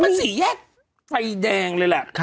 มันสี่แยกไฟแดงเลยแหละ